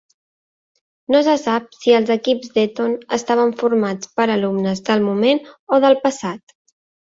No se sap si els equips d'Eton estaven formats per alumnes del moment o del passat.